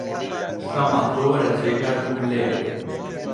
شەماڵ تۆ وەرە جێگات قوبلەیە